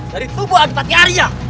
dari tubuh adipati arya